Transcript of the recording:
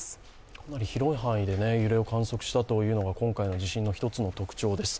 かなり広い範囲で揺れを観測したというのが今回の地震の１つの特徴です。